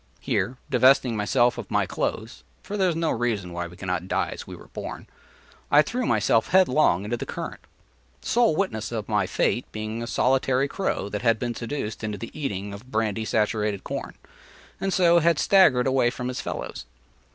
Here, divesting myself of my clothes, (for there is no reason why we cannot die as we were born), I threw myself headlong into the current; the sole witness of my fate being a solitary crow that had been seduced into the eating of brandy saturated corn, and so had staggered away from his fellows.